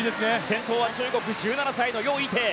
先頭は中国の１７歳ヨ・イテイ。